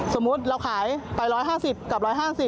สมมุติเราขายไป๑๕๐กับ๑๕๐